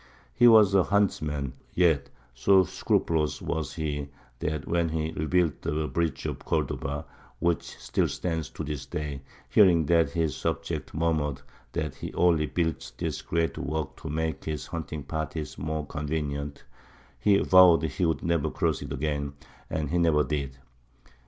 He was a huntsman; yet so scrupulous was he that when he rebuilt the bridge of Cordova, which still stands to this day, hearing that his subjects murmured that he only built this great work to make his hunting parties more convenient, he vowed he would never cross it again; and he never did.